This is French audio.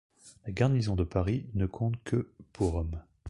La garnison de Paris ne compte que pour hommes.